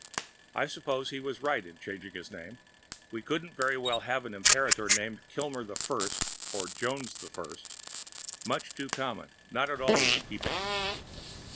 I suppose he was right in changing his name. We couldn't very well have an Imperator named Kilmer the First, or Jones the First. Much too common, not at all in keeping.